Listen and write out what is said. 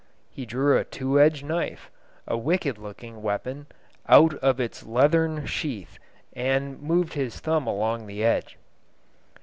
He drew a two edged knife, a wicked looking weapon, out of its leathern sheath, and moved his thumb along the edge.